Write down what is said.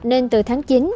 nên từ tháng chín